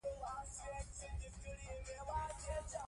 د تبې پر وخت روغتيايي مرکز ته لاړ شئ.